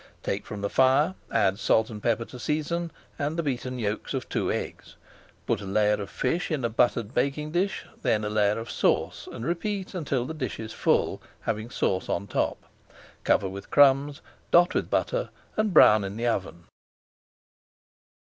Take from the fire, add salt and pepper to season, and the beaten yolks of two eggs. Put a layer of fish in a buttered baking dish, then a layer of sauce, and repeat until the dish is full, having sauce on top. Cover with crumbs, dot with butter, and brown in the oven.